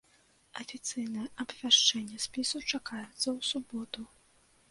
Афіцыйнае абвяшчэнне спісу чакаецца ў суботу.